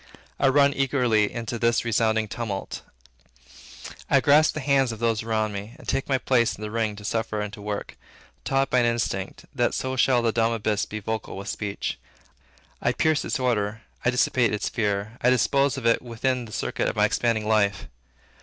I run eagerly into this resounding tumult. I grasp the hands of those next me, and take my place in the ring to suffer and to work, taught by an instinct, that so shall the dumb abyss be vocal with speech. I pierce its order; I dissipate its fear; I dispose of it within the circuit of my expanding life.